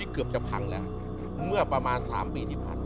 เกือบจะพังแล้วเมื่อประมาณ๓ปีที่ผ่านมา